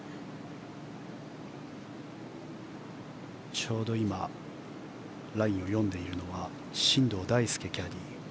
ちょうど今、ラインを読んでいるのは進藤大典キャディー。